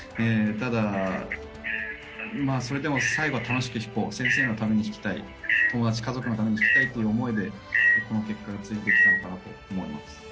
ただ、それでも最後は楽しく弾こう先生のために弾きたい、友達家族のために弾きたいという思いでこの結果がついてきたのかなと思います。